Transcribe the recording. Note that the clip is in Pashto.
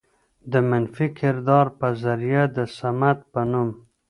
د منفي کردار په ذريعه د صمد په نوم